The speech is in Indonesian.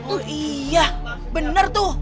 oh iya bener tuh